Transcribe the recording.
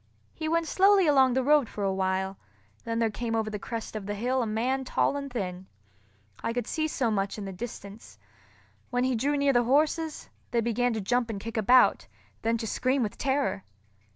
He went slowly along the road for a while, then there came over the crest of the hill a man tall and thin. I could see so much in the distance. When he drew near the horses, they began to jump and kick about, then to scream with terror.